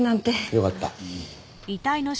よかった。